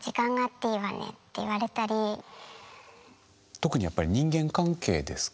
特にやっぱり人間関係ですか？